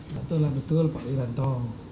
itu adalah betul pak liranto